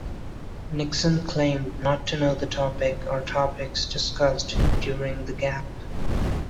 Nixon claimed not to know the topic or topics discussed during the gap.